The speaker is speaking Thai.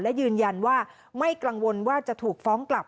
และยืนยันว่าไม่กังวลว่าจะถูกฟ้องกลับ